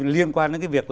liên quan đến cái việc